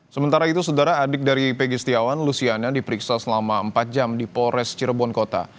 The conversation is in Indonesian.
sementara itu saudara adik dari pegi setiawan luciana diperiksa selama empat jam di polres cirebon kota